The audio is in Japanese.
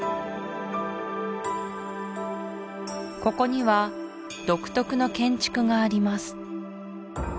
ここには独特の建築があります